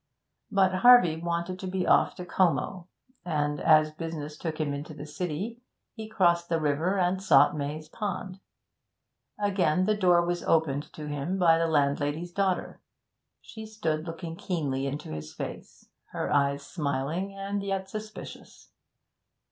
But Harvey wanted to be off to Como, and as business took him into the city, he crossed the river and sought Maze Pond. Again the door was opened to him by the landlady's daughter; she stood looking keenly in his face, her eyes smiling and yet suspicious.